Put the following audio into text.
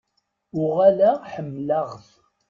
Uɣaleɣ ḥemmleɣ-t.